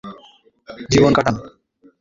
তিনি কিছুটা একান্তবাসী জীবন কাটান।